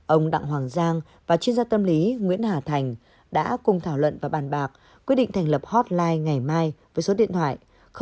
ông đặng hoàng giang và chuyên gia tâm lý nguyễn hà thành đã cùng thảo luận và bàn bạc quyết định thành lập hotline ngày mai với số điện thoại chín mươi sáu ba trăm linh sáu một nghìn bốn trăm một mươi bốn